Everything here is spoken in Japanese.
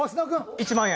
１万円！